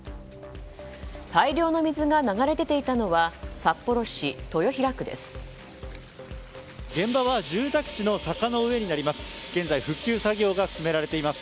大量の水が流れ出ていたのは札幌市豊平区です。